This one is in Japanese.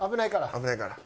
危ないから。